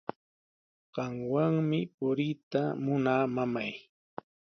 Qamwanmi puriyta munaa, mamay.